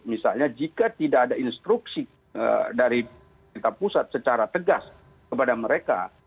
misalnya jika tidak ada instruksi dari pusat secara tegas kepada mereka